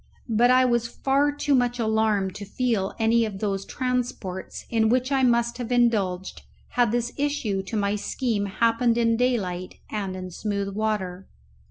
But I was far too much alarmed to feel any of those transports in which I must have indulged had this issue to my scheme happened in daylight and in smooth water.